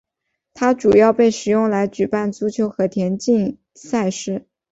它主要被使用来举办足球和田径赛事。